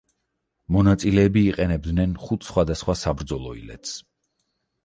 მონაწილეები იყენებდნენ ხუთ სხვადასხვა საბრძოლო ილეთს.